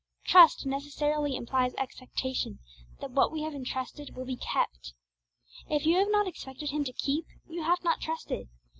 _ Trust necessarily implies expectation that what we have entrusted will be kept. If you have not expected Him to keep, you have not trusted.